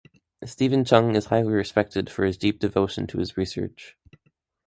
Steven Cheung is highly respected for his deep devotion to his research.